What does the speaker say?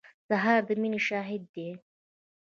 سهار د مینې شاهد دی.